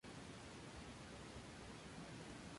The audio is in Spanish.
Las relaciones no son claras del todo.